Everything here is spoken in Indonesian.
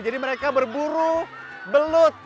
jadi mereka berburu belut